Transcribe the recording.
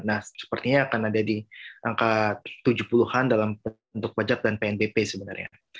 nah sepertinya akan ada di angka tujuh puluh an dalam bentuk pajak dan pnbp sebenarnya